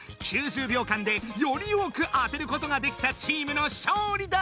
９０秒間でより多く当てることができたチームの勝利だ！